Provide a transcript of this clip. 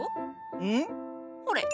うん？ほれ。